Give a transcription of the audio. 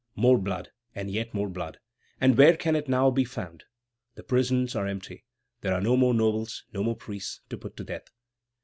More blood, and yet more blood! And where can it now be found? The prisons are empty. There are no more nobles, no more priests, to put to death.